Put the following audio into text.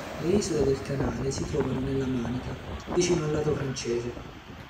Le Isole del Canale si trovano nella Manica, vicine al lato francese.